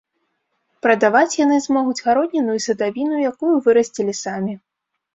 Прадаваць яны змогуць гародніну і садавіну, якую вырасцілі самі.